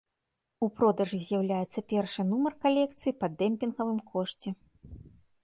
У продажы з'яўляецца першы нумар калекцыі па дэмпінгавым кошце.